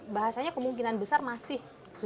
bahasanya kemungkinan besar masih